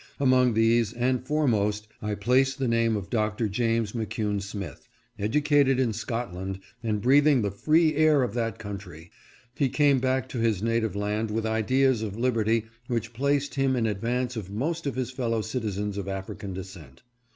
Among these, and foremost, I place the name of Doctor James McCune Smith ; educated in Scotland, and breath ing the free air of that country, he came back to his native land with ideas of liberty which placed him in advance of most of his fellow citizens of African descent.